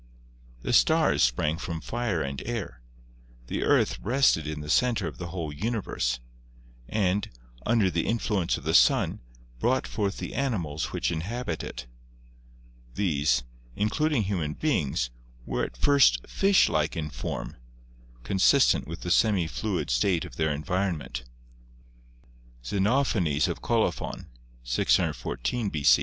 The stars sprang from fire and air; the earth rested in the center of the whole universe, and, under the influence of the sun, brought forth the animals which inhabit it. These, including human beings, were at fir t fish like in form, consistent with the semi fluid state of their environment. Xenophanes of Colophon (614 b.c.)